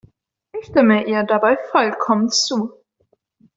Ich stimme ihr dabei vollkommen zu.